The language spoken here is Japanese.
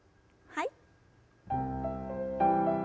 はい。